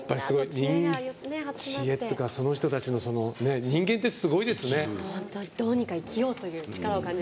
知恵っていうかその人たちの人間ってすごいですね。